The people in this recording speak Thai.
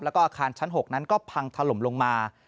แล้วก็อาคารชั้น๖นั้นก็พังถล่มลงมา